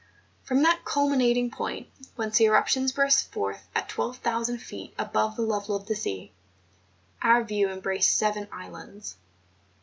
From that culminating point whence the eruptions burst forth at 12,000 feet above the level of the sea, our view embraced seven islands.